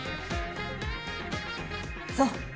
そう。